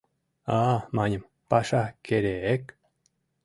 — А-а, — маньым, — паша кере-эк!